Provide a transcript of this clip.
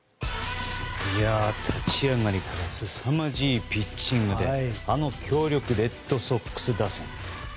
立ち上がりからすさまじいピッチングであの強力レッドソックス打線